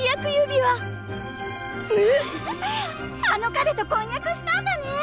あの彼と婚約したんだね！